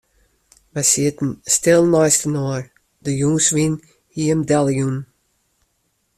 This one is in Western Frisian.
Wy sieten stil neistinoar, de jûnswyn hie him deljûn.